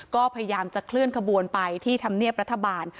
ก็พยายามจะเคลื่อนขบวนไปที่ธรรมเนียบรัฐบาล